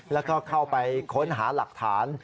แล้วก็เข้าไปค้นหาหลักฐาน